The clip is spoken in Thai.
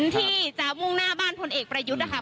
ที่จะมุ่งหน้าบ้านพลเอกประยุทธ์นะคะ